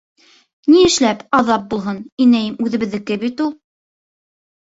— Ни эшләп аҙап булһын, инәйем үҙебеҙҙеке бит ул.